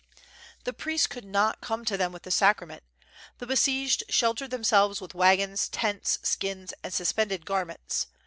The priests could not come to them with the sacrament. The besieged sheltered themselves with wagons, tents, skins, and suspended gar ments.